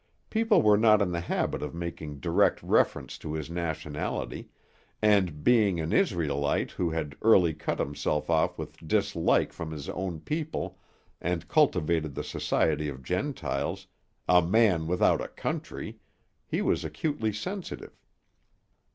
People were not in the habit of making direct reference to his nationality, and, being an Israelite who had early cut himself off with dislike from his own people and cultivated the society of Gentiles, "a man without a country," he was acutely sensitive.